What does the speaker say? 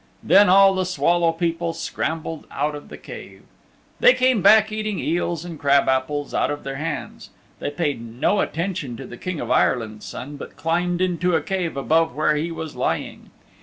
Then all the Swallow People scrambled out of the cave. They came back eating eels and crab apples out of their hands. They paid no attention to the King of Ireland's Son, but climbed into a cave above where he was lying.